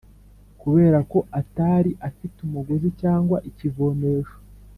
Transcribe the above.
kubera ko atari afite umugozi cyangwa ikivomesho